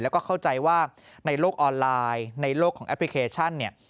แล้วก็เข้าใจว่าในโลกออนไลน์ในโลกของแอปพลิเคชันเนี่ย